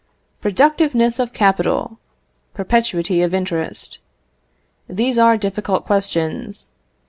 Productiveness of capital perpetuity of interest. These are difficult questions.